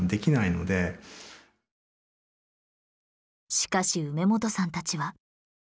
しかし梅元さんたちは。